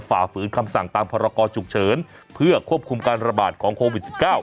ฝ่าฝืนคำสั่งตามพรกรฉุกเฉินเพื่อควบคุมการระบาดของโควิด๑๙